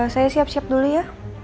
saya siap siap dulu ya